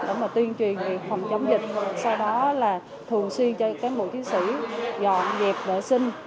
để mà tuyên truyền về phòng chống dịch sau đó là thường xuyên cho cán bộ chiến sĩ dọn dẹp vệ sinh